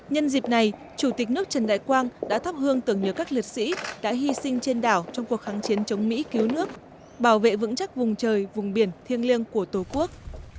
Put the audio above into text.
nhân dịp này chủ tịch nước trần đại quang đã thắp hương tưởng nhớ các liệt sĩ đã hy sinh trên đảo trong cuộc kháng chiến chống mỹ cứu nước bảo vệ vững chắc vùng trời vùng biển thiêng liêng của tổ quốc